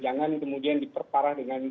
jangan kemudian diperparah dengan